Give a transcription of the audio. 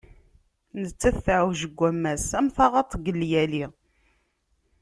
Nettat teɛweǧ deg ammas am taɣaṭ deg llyali.